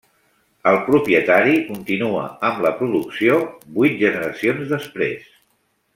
El propietari continua amb la producció vuit generacions després.